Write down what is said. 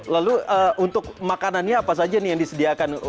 lalu untuk makanannya apa saja nih yang disediakan